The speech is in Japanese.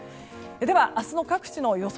では、明日の各地の予想